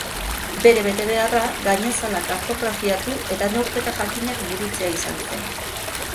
Bere betebeharra gainazala kartografiatu eta neurketa jakinak burutzea izan zen.